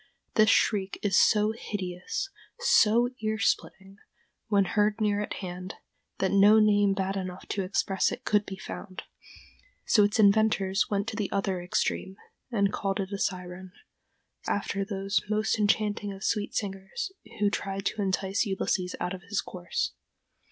This shriek is so hideous, so ear splitting, when heard near at hand, that no name bad enough to express it could be found; so its inventors went to the other extreme, and called it a siren, after those most enchanting of sweet singers who tried to entice Ulysses out of his course.